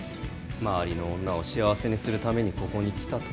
周りの女を幸せにするためにここに来たと。